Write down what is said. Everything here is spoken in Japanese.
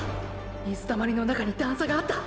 水たまりの中に段差があった！！